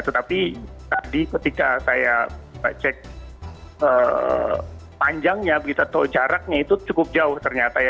tetapi tadi ketika saya cek panjangnya jaraknya itu cukup jauh ternyata